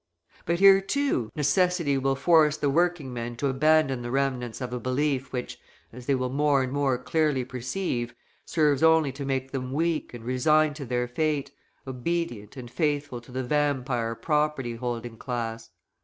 But here, too, necessity will force the working men to abandon the remnants of a belief which, as they will more and more clearly perceive, serves only to make them weak and resigned to their fate, obedient and faithful to the vampire property holding class.